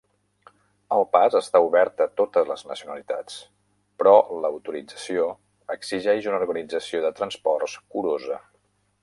El pas està obert a totes les nacionalitats, però l'autorització exigeix una organització de transports curosa.